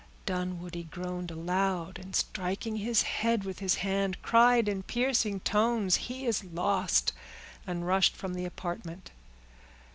Dunwoodie groaned aloud, and striking his head with his hand, cried in piercing tones, "He is lost!" and rushed from the apartment.